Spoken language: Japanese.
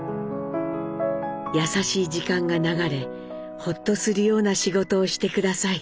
「やさしい時間が流れほっとする様な仕事をして下さい。